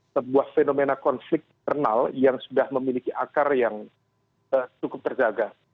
sebuah fenomena konflik internal yang sudah memiliki akar yang cukup terjaga